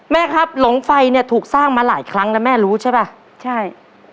แม่ครับหลงไฟเนี่ยถูกสร้างมาหลายครั้งแล้วแม่รู้ใช่ป่ะใช่